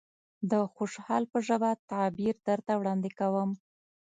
د خوشحال په ژبه تعبير درته وړاندې کوم.